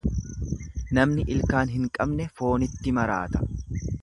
Namni ilkaan hin qabne foonitti maraata.